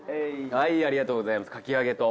はいありがとうございますかき揚げと。